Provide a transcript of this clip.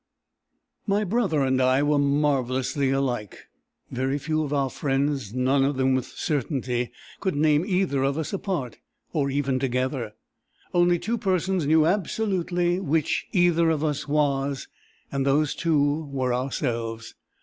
"My brother and I were marvellously like. Very few of our friends, none of them with certainty, could name either of us apart or even together. Only two persons knew absolutely which either of us was, and those two were ourselves.